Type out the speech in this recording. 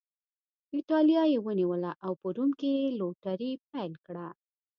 اېټالیا یې ونیوله او په روم کې یې لوټري پیل کړه.